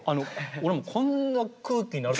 俺もこんな空気になると。